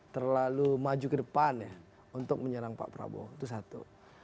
terlalu maju ke depan ya untuk menyerang pak prabowo itu satu